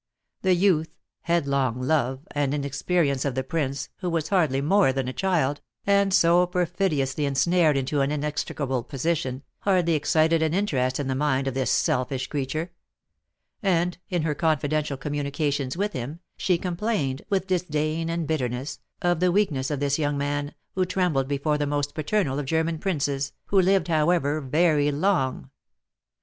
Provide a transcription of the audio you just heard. The youth, headlong love, and inexperience of the prince, who was hardly more than a child, and so perfidiously ensnared into an inextricable position, hardly excited an interest in the mind of this selfish creature; and, in her confidential communications with him, she complained, with disdain and bitterness, of the weakness of this young man, who trembled before the most paternal of German princes, who lived, however, very long!